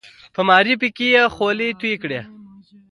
په معارفو کې یې خولې تویې کړې.